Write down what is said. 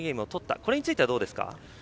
これについてはどうですか？